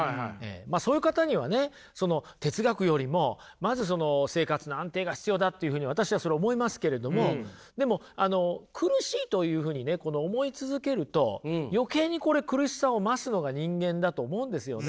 まあそういう方にはね哲学よりもまずその生活の安定が必要だっていうふうに私はそれ思いますけれどもでもあの苦しいというふうにねこの思い続けると余計にこれ苦しさを増すのが人間だと思うんですよね。